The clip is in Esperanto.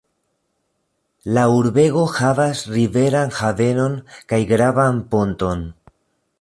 La urbego havas riveran havenon kaj gravan ponton.